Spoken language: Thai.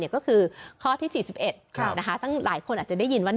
ก็คือข้อที่๔๑ซึ่งหลายคนอาจจะได้ยินว่า